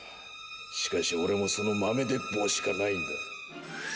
しかし俺もその豆鉄砲しかないんだ。